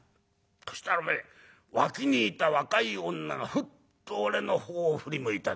そしたらおめえ脇にいた若い女がふっと俺のほうを振り向いた。